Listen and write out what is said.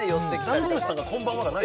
ダンゴムシさんがこんばんはがない？